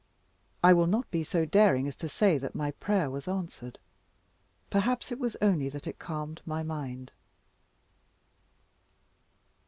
I will not be so daring as to say that my prayer was answered. Perhaps it was only that it calmed my mind.